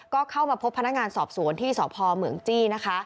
ก็เข้ามาพบพนักงานสอบสวนที่สอบพอเมืองจีน